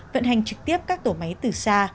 vận hành trực tiếp các tổ máy từ xa